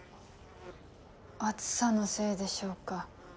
暑さのせいでしょうか。